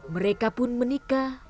mereka pun menikah dan membeli jalan